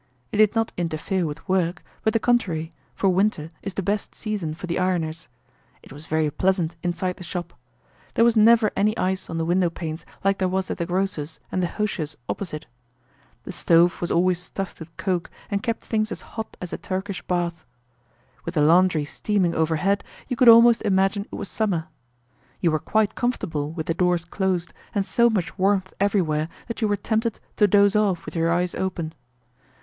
It did not interfere with work, but the contrary, for winter is the best season for the ironers. It was very pleasant inside the shop! There was never any ice on the window panes like there was at the grocer's and the hosier's opposite. The stove was always stuffed with coke and kept things as hot as a Turkish bath. With the laundry steaming overhead you could almost imagine it was summer. You were quite comfortable with the doors closed and so much warmth everywhere that you were tempted to doze off with your eyes open.